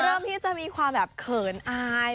เริ่มที่จะมีความแบบเขินอาย